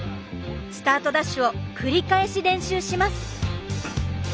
スタートダッシュを繰り返し練習します。